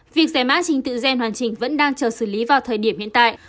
việc giải mã trình tự gen hoàn chỉnh vẫn đang chờ xử lý vào thời điểm hiện tại